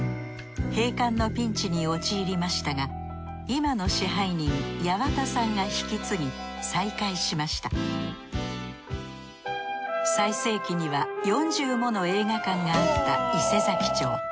閉館のピンチに陥りましたが今の支配人八幡さんが引き継ぎ再開しました最盛期には４０もの映画館があった伊勢佐木町。